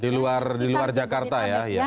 di luar jakarta ya